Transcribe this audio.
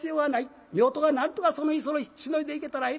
めおとがなんとかその日その日しのいでいけたらええ。